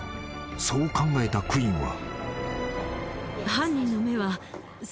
［そう考えたクインは］